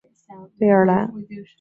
贝尔兰。